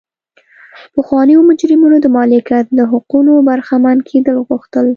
پخوانیو مجرمینو د مالکیت له حقونو برخمن کېدل غوښتل.